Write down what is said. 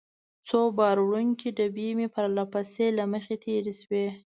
څو بار وړونکې ډبې مې پرله پسې له مخې تېرې شوې.